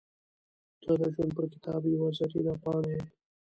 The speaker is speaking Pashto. • ته د ژوند پر کتاب یوه زرینه پاڼه یې.